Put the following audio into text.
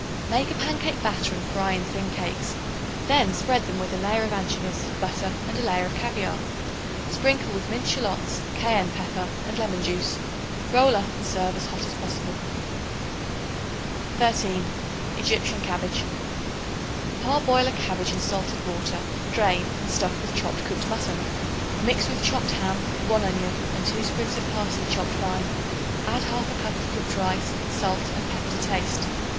Make a pancake batter and fry in thin cakes. Then spread them with a layer of anchovies, butter and a layer of caviare. Sprinkle with minced shallots, cayenne pepper and lemon juice. Roll up and serve hot as possible. 13. Egyptian Cabbage. Parboil a cabbage in salted water; drain and stuff with chopped cooked mutton. Mix with chopped ham, 1 onion and 2 sprigs of parsley chopped fine. Add 1/2 cup of cooked rice, salt and pepper to taste.